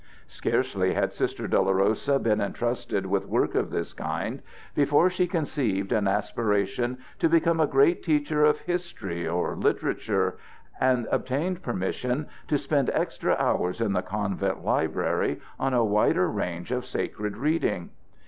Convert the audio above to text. Scarcely had Sister Dolorosa been intrusted with work of this kind before she conceived an aspiration to become a great teacher of history or literature, and obtained permission to spend extra hours in the convent library on a wider range of sacred reading.